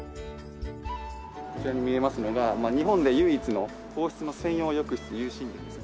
こちらに見えますのが日本で唯一の皇室の専用浴室又新殿です。